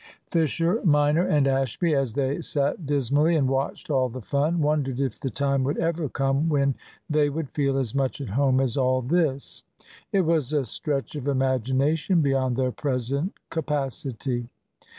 Fisher minor and Ashby, as they sat dismally and watched all the fun, wondered if the time would ever come when they would feel as much at home as all this. It was a stretch of imagination beyond their present capacity.